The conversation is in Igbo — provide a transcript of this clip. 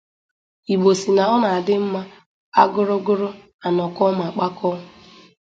Igbo sị na ọ na-adị mma a gụrụ gụrụ a nọkọọ ma kpakọọ